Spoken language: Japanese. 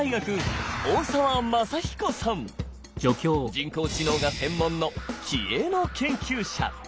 人工知能が専門の気鋭の研究者。